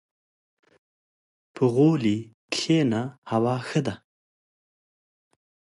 • په غولي کښېنه، هوا ښه ده.